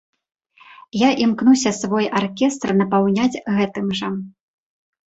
Я імкнуся свой аркестр напаўняць гэтым жа.